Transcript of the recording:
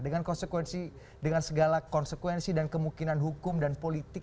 dengan konsekuensi dengan segala konsekuensi dan kemungkinan hukum dan politik